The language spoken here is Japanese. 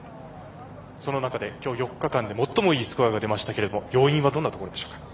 その中で、今日４日間で最もいいスコアが出ましたけれども要因はどんなところでしょうか。